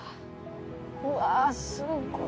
うわあすごい！